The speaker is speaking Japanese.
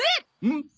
ん？